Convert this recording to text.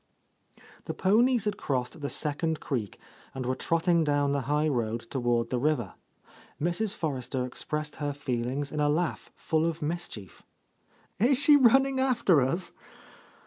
The ponies had crossed the second creek and were trotting down the high road toward the river. Mrs. Forrester expressed her feelings — 6 '>— I A Lost Lady in a laugh full of mischief. "Is she running after us?